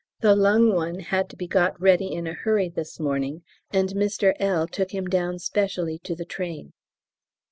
The lung one had to be got ready in a hurry this morning, and Mr L. took him down specially to the train.